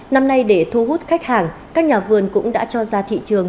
năm nay để thu hút khách hàng các nhà vườn cũng đã cho ra thị trường